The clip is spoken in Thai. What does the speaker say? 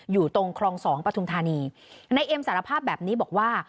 อยู่ตรงคลองสองปฐุมธานีนายเอ็มสารภาพแบบนี้บอกว่า